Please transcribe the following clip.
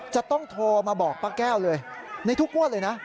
จะต้องโทรมาบอกป้าแก้วเลยในทุกงวดเลยนะ